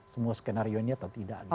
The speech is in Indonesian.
semua skenario ini atau tidak gitu